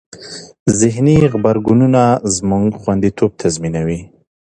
ذهني غبرګونونه زموږ خوندیتوب تضمینوي.